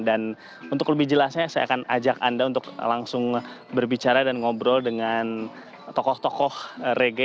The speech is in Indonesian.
dan untuk lebih jelasnya saya akan ajak anda untuk langsung berbicara dan ngobrol dengan tokoh tokoh rege